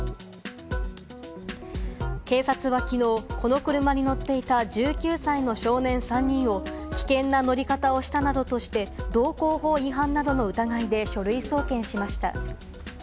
警察はきのう、この車に乗っていた、１９歳の少年３人を危険な乗り方をしたなどとして、道交法違反などの疑いで書類送検しました。